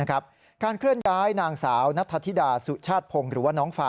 การเคลื่อนย้ายนางสาวนัทธิดาสุชาติพงศ์หรือว่าน้องฟา